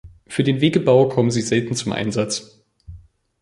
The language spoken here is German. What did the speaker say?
Für den Wegebau kommen sie selten zum Einsatz.